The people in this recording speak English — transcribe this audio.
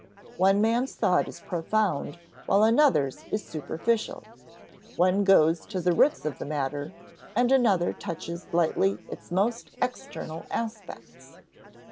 One man's thought is profound while another's is superficial; one goes to the roots of the matter, and another touches lightly its most external aspects.